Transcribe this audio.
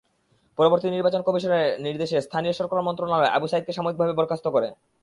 পরবর্তীতে নির্বাচন কমিশনের নির্দেশে স্থানীয় সরকার মন্ত্রণালয় আবু সাঈদকে সাময়িকভাবে বরখাস্ত করে।